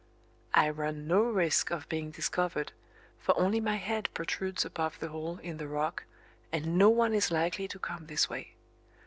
I run no risk of being discovered, for only my head protrudes above the hole in the rock and no one is likely to come this way.